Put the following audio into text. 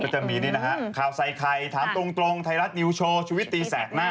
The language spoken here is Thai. จะมีนี่นะฮะข่าวใส่ไข่ถามตรงไทยรัฐนิวโชว์ชีวิตตีแสกหน้า